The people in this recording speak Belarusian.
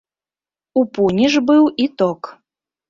У пуні ж быў і ток.